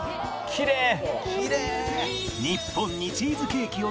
きれい！